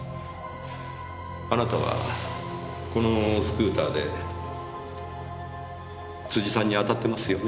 あなたはこのスクーターで辻さんにあたってますよね？